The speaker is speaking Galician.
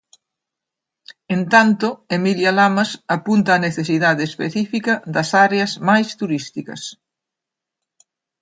En tanto, Emilia Lamas apunta á necesidade específica das áreas máis turísticas.